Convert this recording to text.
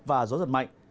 và gió giật mạnh